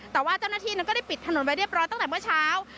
แต่ว่าเจ้าหน้าที่นั้นก็ได้ปิดถนนไว้เรียบร้อยตั้งแต่เมื่อเช้า